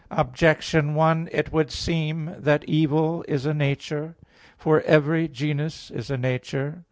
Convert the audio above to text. Objection 1: It would seem that evil is a nature. For every genus is a nature.